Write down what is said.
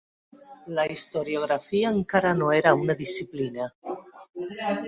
La historiografia encara no era una disciplina.